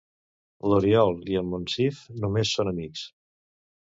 L'Oriol i en Monsif només són amics.